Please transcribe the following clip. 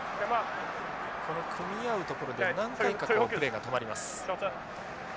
この組み合うところで何回かこうプレーが止まります。